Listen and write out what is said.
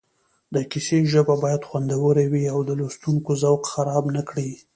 د کیسې ژبه باید خوندوره وي او د لوستونکي ذوق خراب نه کړي